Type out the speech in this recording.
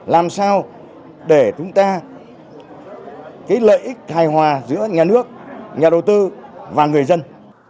làm sao để chúng ta cái lợi ích hài hòa giữa nhà nước nhà đầu tư và người dân